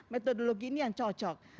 metodologi ini yang cocok